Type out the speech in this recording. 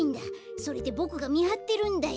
それでボクがみはってるんだよ。